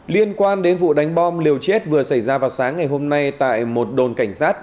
liên quan đến vụ đánh bom liều chết vừa xảy ra vào sáng ngày hôm nay tại một đồn cảnh sát